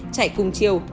chạy cùng chiều